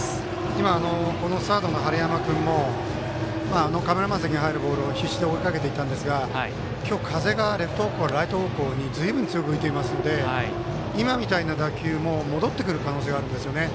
今、サードの晴山君もカメラマン席に入るボールを必死で追いかけていたんですが今日、風がレフト方向、ライト方向にずいぶん強く吹いていますので今みたいな打球も戻ってくる可能性がありますね。